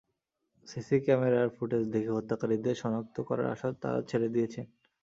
CC ক্যামেরার footage দেখে হত্যাকারীদের শনাক্ত করার আশা তাঁরা ছেড়ে দিয়েছেন।